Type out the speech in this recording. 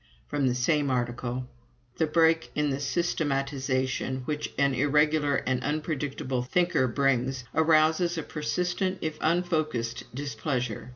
From the same article: "The break in the systematization which an irregular and unpredictable thinker brings arouses a persistent if unfocused displeasure.